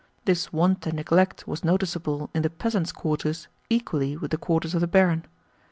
This want and neglect was noticeable in the peasants' quarters equally with the quarters of the barin.